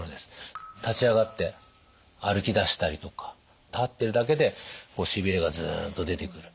立ち上がって歩きだしたりとか立ってるだけでしびれがズンと出てくる。